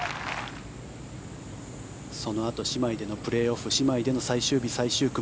そのあと姉妹でのプレーオフ姉妹での最終日、最終組。